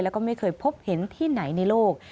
แล้วก็ไม่เคยพบเห็นที่ไหนในโลก